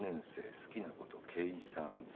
好きなこと計算作文。